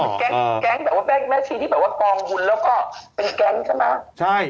แก๊งแบบว่าแม่ชีที่แบบว่าปองหุ่นแล้วก็เป็นแก๊งใช่ไหม